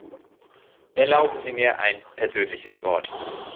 Erlauben Sie mir ein persönliches Wort.